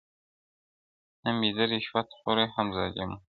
هم بېحده رشوت خوره هم ظالم وو!